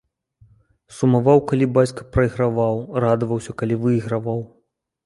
Сумаваў, калі бацька прайграваў, радаваўся, калі выйграваў.